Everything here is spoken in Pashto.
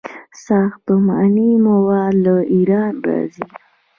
ساختماني مواد له ایران راځي.